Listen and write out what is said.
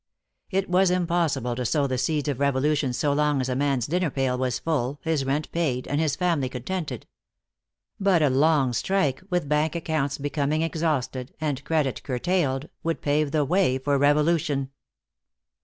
It was impossible to sow the seeds of revolution so long as a man's dinner pail was full, his rent paid, and his family contented. But a long strike, with bank accounts becoming exhausted and credit curtailed, would pave the way for revolution.